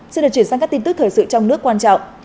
xin được chuyển sang các tin tức thời sự trong nước quan trọng